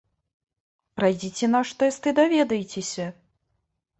Прайдзіце наш тэст і даведайцеся!